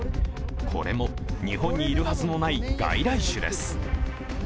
これも日本にいるはずのない外来種です。